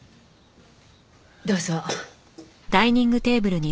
どうぞ。